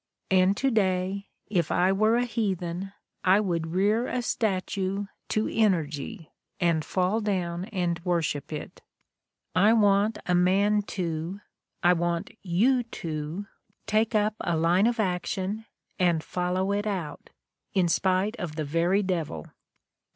And to day, if I were a heathen, I would rear a statue to Energy, and fall down and worship it ! I want a man to — I want you to — take up a line of action, and follow it out, in spite of the very devil."